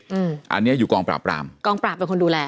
อืมอันเนี้ยอยู่กองปราบรามกองปราบเป็นคนดูแล